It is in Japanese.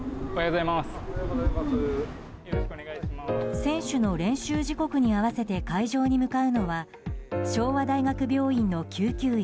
選手の練習時刻に合わせて会場に向かうのは昭和大学病院の救急医